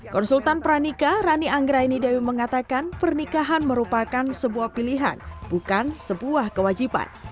konsultan pernikah rani anggraini dewi mengatakan pernikahan merupakan sebuah pilihan bukan sebuah kewajiban